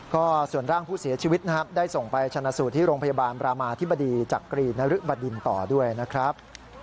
ก็ส่วนร่างผู้เสียชีวิตนะครับได้ส่งไปชนะสูตรที่โรงพยาบาลบรามาธิบดีจักรีนรึบดินต่อด้วยนะครับ